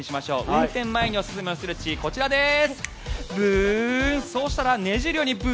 運転前におすすめのストレッチこちらです。